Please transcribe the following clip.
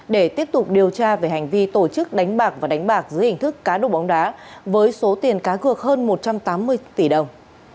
để tiếp tục điều tra về hành vi tổ chức đánh bạc và đánh bạc dưới hình thức cá độ bóng đá với số tiền cá cược hơn một trăm tám mươi tỷ đồng